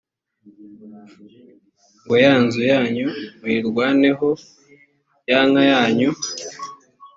ngo ya nzu yanyu muyirwaneho ya nka yanyu